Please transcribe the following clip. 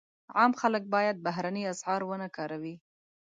عام خلک باید بهرني اسعار ونه کاروي.